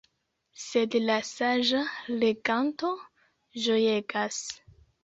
Sed la „saĝa“ leganto ĝojegas.